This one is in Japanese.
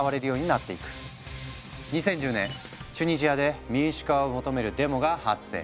２０１０年チュニジアで民主化を求めるデモが発生。